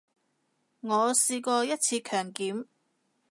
我試過一次強檢